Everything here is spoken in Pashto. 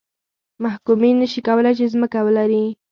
محکومین نه شي کولای چې ځمکه ولري.